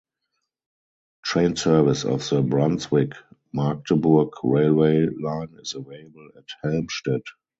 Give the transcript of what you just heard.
Train service of the Brunswick-Magdeburg railway line is available at Helmstedt.